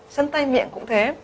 chân tay miệng cũng thế